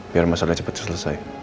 biar masalahnya cepet selesai